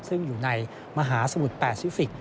ซึ่งอยู่ในมหาสมุทรแปซิฟิกส